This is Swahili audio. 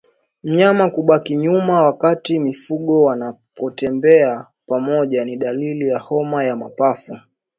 Mnyama kubaki nyuma wakati mifugo wanapotembea pamoja ni dalili ya homa ya mapafu